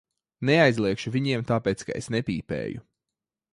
Neaizliegšu viņiem, tāpēc ka es nepīpēju.